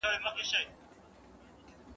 که ژړل دي په سرو سترګو نو یوازي وایه ساندي `